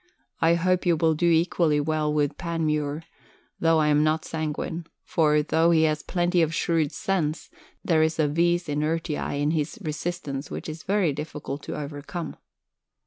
I hope you will do equally well with Panmure, tho' I am not sanguine; for, tho' he has plenty of shrewd sense, there is a vis inertiae in his resistance which is very difficult to overcome."